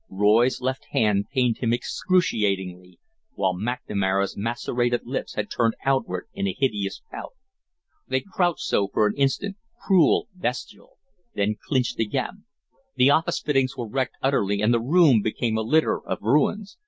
Roy's left hand pained him excruciatingly, while McNamara's macerated lips had turned outward in a hideous pout. They crouched so for an instant, cruel, bestial then clinched again. The office fittings were wrecked utterly and the room became a litter of ruins.